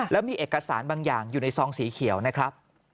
แล้วมีเอกสารบางอย่างอยู่ในซองสีเขียวนะครับ